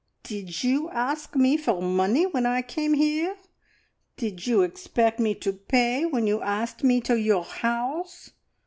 "Did you ask me for money when I came here? Did you expect me to pay when you asked me to your house?